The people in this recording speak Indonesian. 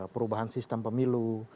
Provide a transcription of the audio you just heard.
perubahan sistem pemilu